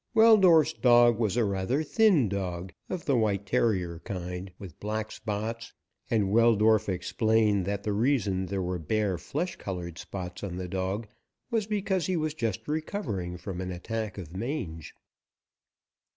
Weldorf's dog was a rather thin dog, of the white terrier kind, with black spots, and Weldorf explained that the reason there were bare, flesh coloured spots on the dog was because he was just recovering from an attack of mange.